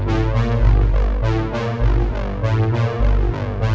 arabir ganteng m tudodah